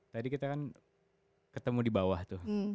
tadi kita kan ketemu di bawah tuh